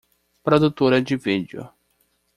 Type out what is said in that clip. Produtora de vídeo